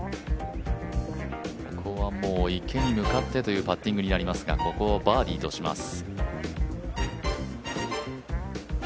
ここはもう池に向かってというパッティングになりますがここをバーディーとします。